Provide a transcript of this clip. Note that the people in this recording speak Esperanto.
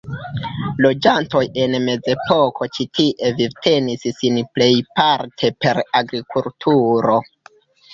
Loĝantoj en mezepoko ĉi tie vivtenis sin plejparte per agrikulturo.